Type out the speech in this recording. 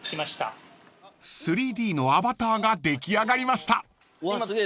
［３Ｄのアバターが出来上がりました］